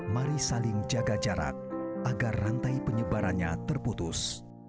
mari saling jaga jarak agar rantai penyebarannya terputus